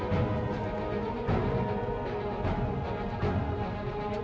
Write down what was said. bangun wasila bangun